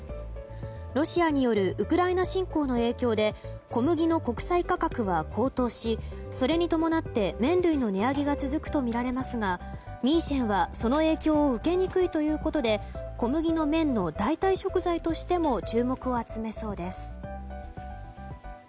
ロシアによるウクライナ侵攻の影響で小麦の国際価格は高騰しそれに伴って麺類の値上げが続くとみられますが米線はその影響を受けにくいということで小麦の麺の代替食材としても注目を集めそうです。